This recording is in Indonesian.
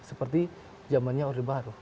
seperti zamannya orde baru